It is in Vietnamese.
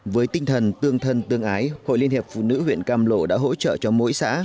với tinh thần tương thân tương ái hội liên hiệp phụ nữ huyện cam lộ đã hỗ trợ cho mỗi xã